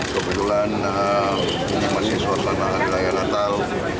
kebetulan ini masih suasana hari raya natal